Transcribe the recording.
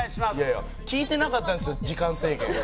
聞いてなかったですよ時間制限。